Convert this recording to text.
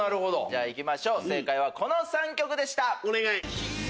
じゃあいきましょう正解はこの３曲でした。